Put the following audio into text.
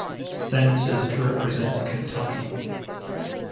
Senators to represent Kentucky.